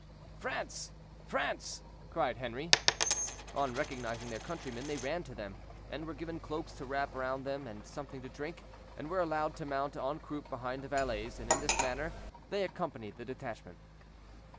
"France! France!" cried Henri. On recognizing their countrymen they ran to them, and were given cloaks to wrap round them and something to drink, and were allowed to mount en croup behind the valets, and in this manner they accompanied the detachment.